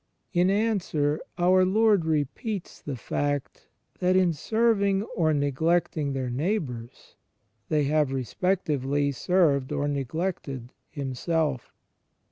In answer our Lord repeats the fact that in serving or neglecting their neighboiurs, they have, respectively, served or neglected Himself.